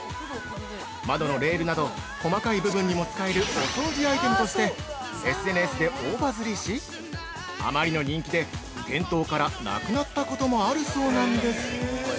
窓のレールなど細かい部分にも使えるお掃除アイテムとしてＳＮＳで大バズりしあまりの人気で店頭からなくなったこともあるそうなんです。